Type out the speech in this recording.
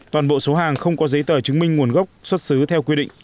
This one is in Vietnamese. toàn bộ số hàng không có giấy tờ chứng minh nguồn gốc xuất xứ theo quy định